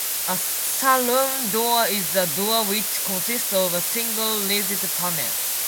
A saloon door is a door which consists of a single rigid panel